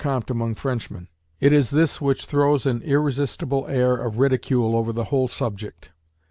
Comte among Frenchmen. It is this which throws an irresistible air of ridicule over the whole subject.